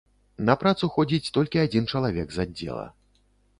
На працу ходзіць толькі адзін чалавек з аддзела.